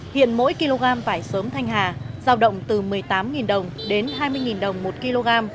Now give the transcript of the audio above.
hiện mỗi kg vải sớm thanh hà giao động từ một mươi tám đồng đến hai mươi đồng một kg